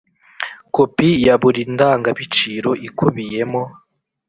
Kopi ya buri ndangabiciro ikubiyemo